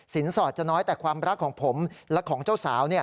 สอดจะน้อยแต่ความรักของผมและของเจ้าสาว